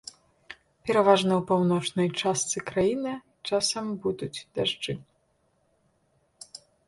Пераважна ў паўночнай частцы краіны часам будуць дажджы.